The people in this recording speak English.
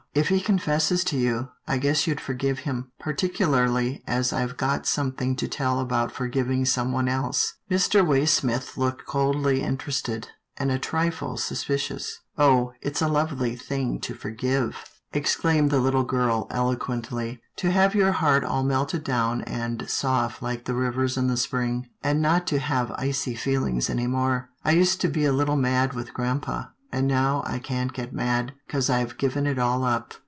If he confesses to you, I guess you'd forgive him, particularly as I've got something to tell about for giving someone else." Mr. Waysmith looked coldly interested, and a trifle suspicious. " Oh ! it's a lovely thing to forgive," exclaimed 62 'TILDA JANE'S ORPHANS the little girl, eloquently, " to have your heart all melted down and soft like the rivers in the spring, and not to have icy feelings any more. I used to be a little mad with grampa, and now I can't get mad, 'cause I've given it all up.